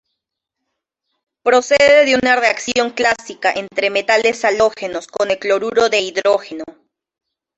Procede de una reacción clásica entre metales halógenos con el Cloruro de hidrógeno.